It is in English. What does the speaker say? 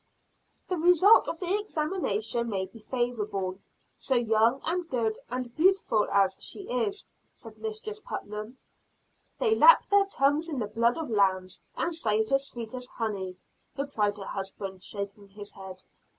"The result of the examination may be favorable, so young and good and beautiful as she is," said Mistress Putnam. "They lap their tongues in the blood of lambs, and say it is sweet as honey," replied her husband, shaking his head.